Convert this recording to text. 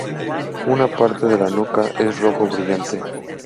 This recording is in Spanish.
Una parte de la nuca es rojo brillante.